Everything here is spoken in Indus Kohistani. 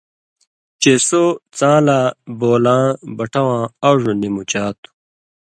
چے سو څاں لا (بو لاں) بٹہ واں اڙوۡ نی مُچا تُھو؛